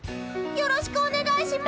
よろしくお願いします！